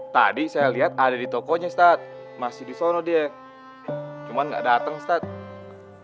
tadi saya lihat ada di tokonya stat masih di soro dia cuma gak datang ustadz